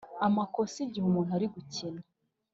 Amakosa igihe umuntu ari gukina